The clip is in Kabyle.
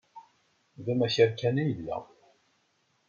D amakar kan ay yella.